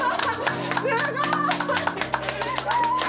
すごい！